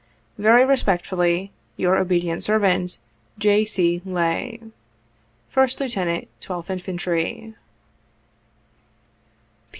'' Very respectfully, '' Your obedient servant, "J. C. LAY, " First Lieutenant \2th Infantry.